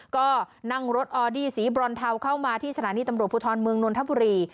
ก็นั่งรถออดี้สีบรอนเทาเข้ามาที่สถานีตำรวจภูทรเมืองนนทบุรี